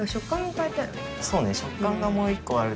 そうね。